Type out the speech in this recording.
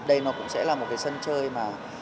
đây nó cũng sẽ là một cái sân chơi mà